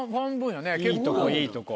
いいとこいいとこ。